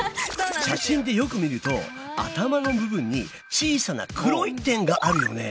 写真でよく見ると頭の部分に小さな黒い点があるよね。